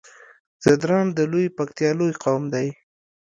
ځدراڼ د لويې پکتيا لوی قوم دی